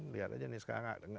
lihat aja nih sekarang